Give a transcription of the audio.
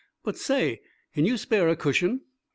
"But; say! Can you spare a cushion."